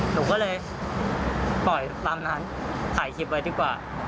หนูก็เลยปล่อยตามนั้นถ่ายคลิปไว้ดีกว่า